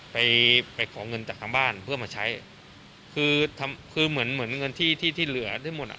ไปไปขอเงินจากทางบ้านเพื่อมาใช้คือทำคือเหมือนเหมือนเงินที่ที่เหลือได้หมดอ่ะ